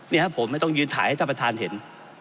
นี่ครับผมไม่ต้องยืนถ่ายให้ท่านประธานเห็น